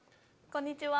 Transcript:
こんにちは。